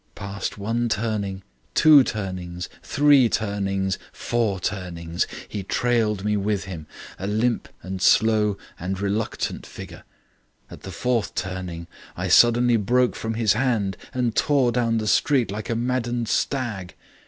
Past one turning, two turnings, three turnings, four turnings, he trailed me with him, a limp and slow and reluctant figure. At the fourth turning, I suddenly broke from his hand and tore down the street like a maddened stag.